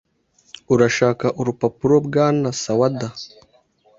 Urashaka urupapuro Bwana Sawada?